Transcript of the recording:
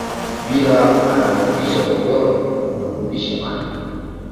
Mpira anaofundisha Guardiola unaburudisha macho